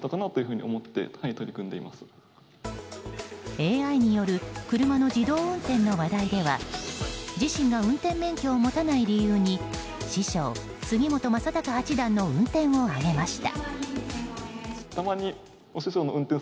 ＡＩによる車の自動運転の話題では自身が運転免許を持たない理由に師匠・杉本昌隆八段の運転を挙げました。